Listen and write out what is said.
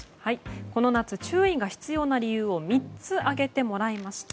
この夏、注意が必要な理由を３つ挙げていただきました。